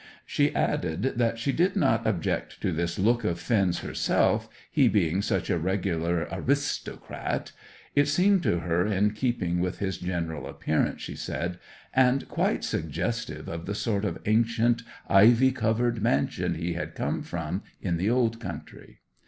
She added that she did not object to this look of Finn's herself, he being such a regular a _ri_stocrat. It seemed to her in keeping with his general appearance, she said, and quite suggestive of the sort of ancient, ivy covered mansion he had come from in the Old Country.